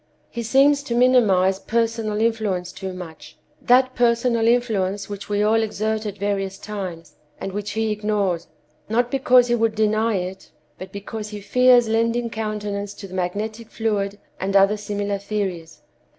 He seems to minimize personal influence too much—that personal influence which we all exert at various times, and which he ignores, not because he would deny it, but because he fears lending countenance to the magnetic fluid and other similar theories.